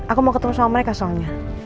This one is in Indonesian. aku mau ketemu sama mereka soalnya